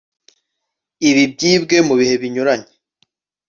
Ibi byibwe mu bihe binyuranye